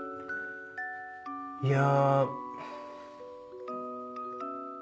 いや。